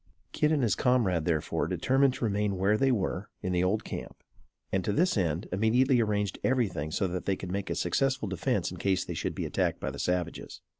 Kit and his comrade, therefore, determined to remain where they were, in the old camp; and, to this end, immediately arranged everything so that they could make a successful defence in case they should be attacked by the savages.